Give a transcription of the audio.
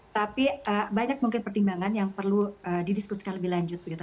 tapi banyak mungkin pertimbangan yang perlu didiskusikan lebih lanjut begitu